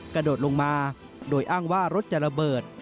กระโดดลงมาโดยอ้างว่ารถจะระเบิด